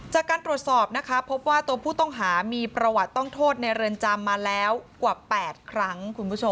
จากการตรวจสอบนะคะพบว่าตัวผู้ต้องหามีประวัติต้องโทษในเรือนจำมาแล้วกว่า๘ครั้งคุณผู้ชม